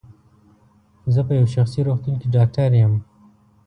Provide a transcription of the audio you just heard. زه په یو شخصي روغتون کې ډاکټر یم.